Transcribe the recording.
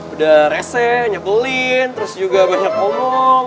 udah reseh nyebelin terus juga banyak ngomong